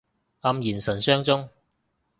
黯然神傷中